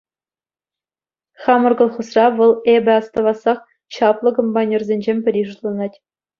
Хамӑр колхозра вӑл эпӗ астӑвассах чаплӑ комбайнерсенчен пӗри шутланать.